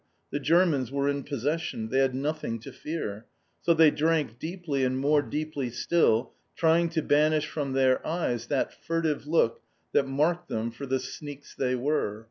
The Germans were in possession. They had nothing to fear. So they drank deeply and more deeply still, trying to banish from their eyes that furtive look that marked them for the sneaks they were.